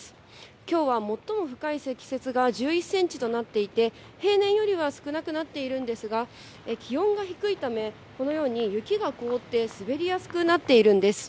きょうは最も深い積雪が１１センチとなっていて、平年よりは少なくなっているんですが、気温が低いため、このように雪が凍って、滑りやすくなっているんです。